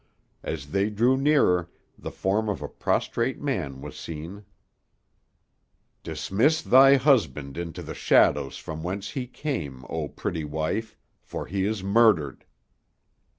As they drew nearer, the form of a prostrate man was seen seen Dismiss thy husband into the shadows from whence he came, O pretty wife, for he is murdered.